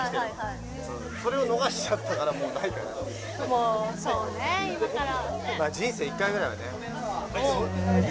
もうそうね今から。